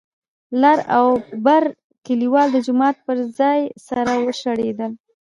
لر او بر کليوال د جومات پر ځای سره وشخړېدل.